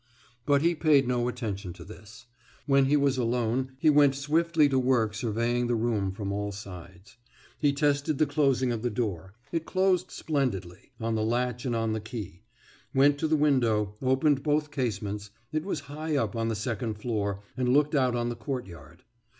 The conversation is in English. But he paid no attention to this. When he was alone, he went swiftly to work surveying the room from all sides. He tested the closing of the door it closed splendidly, on the latch and on the key; went to the window, opened both casements it was high up on the second floor and looked out on the courtyard.